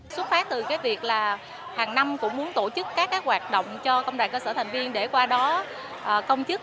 xuất phát từ cái việc là hàng năm cũng muốn tổ chức các hoạt động cho công đoàn cơ sở thành viên để qua đó công chức